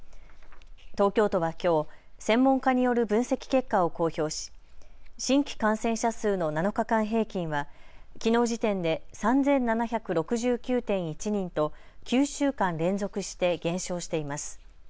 東京都はきょう、専門家による分析結果を公表し、新規感染者数の７日間平均はきのう時点で３７６９．１人と９週間連続して減少しています。